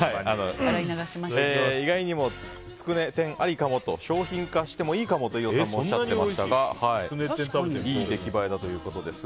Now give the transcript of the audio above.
意外にも、つくね天ありかもと商品化してもいいかもと飯尾さんもおっしゃっていましたがいい出来栄えだということです。